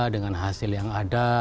dengan hasil yang ada